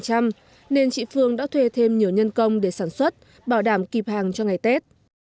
nên chị phương đã thuê thêm nhiều nhân công để sản xuất bảo đảm kịp hàng cho ngày tết